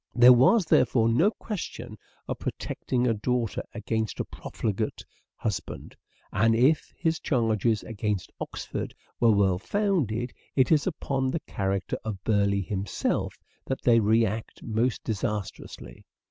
There was, therefore, no question of protecting a daughter against a profligate husband ; and if his charges against Oxford were well founded it is upon the character of Burleigh himself that they react most disastrously.